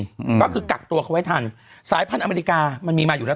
อืมก็คือกักตัวเขาไว้ทันสายพันธอเมริกามันมีมาอยู่แล้ว